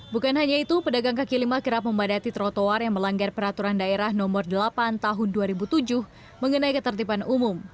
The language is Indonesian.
bukan hanya itu pedagang kaki lima kerap memadati trotoar yang melanggar peraturan daerah nomor delapan tahun dua ribu tujuh mengenai ketertiban umum